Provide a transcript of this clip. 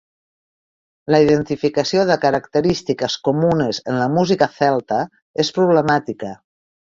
La identificació de característiques comunes en la música celta és problemàtica.